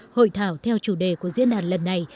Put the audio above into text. hội thảo theo chủ đề của diễn đàn lần này